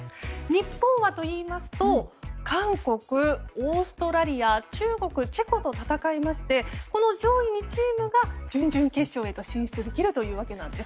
日本は、韓国、オーストラリア中国、チェコと戦いましてこの上位２チームが準々決勝へと進出できるというわけなんです。